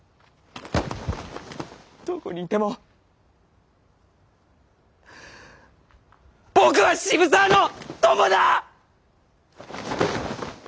どこにいても僕は渋沢の友だ。